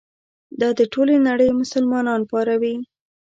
دا د ټولې نړۍ مسلمانان پاروي.